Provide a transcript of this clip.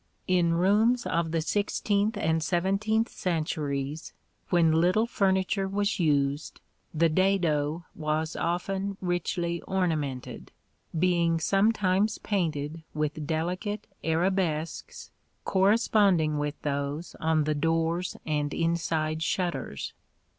In rooms of the sixteenth and seventeenth centuries, when little furniture was used, the dado was often richly ornamented, being sometimes painted with delicate arabesques corresponding with those on the doors and inside shutters.